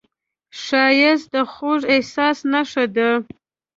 ښایست د خوږ احساس نښه ده